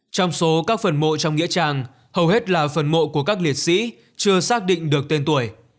trong số các phần mộ trong nghĩa trang hầu hết là phần mộ của các liệt sĩ chưa xác định được tên tuổi